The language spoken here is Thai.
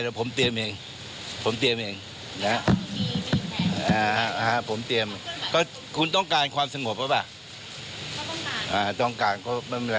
ก็คุมเดียวที่เห็นนี่แหละครับ